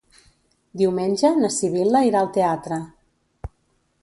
Diumenge na Sibil·la irà al teatre.